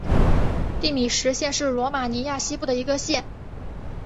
蒂米什县是罗马尼亚西部的一个县。